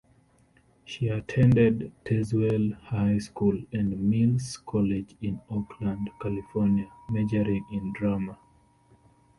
She attended Tazewell High School and Mills College in Oakland, California, majoring in drama.